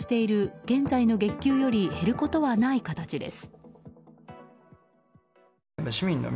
つまり、３割カットとしている現在の月給より減ることはない形です。